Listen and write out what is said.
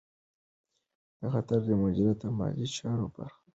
د خطر مدیریت د مالي چارو برخه ده.